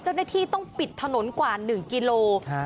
เจ้าหน้าที่ต้องปิดถนนกว่า๑กิโล